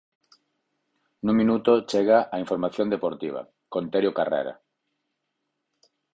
Nun minuto chega a información deportiva, con Terio Carrera.